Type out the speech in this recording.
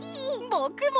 ぼくも！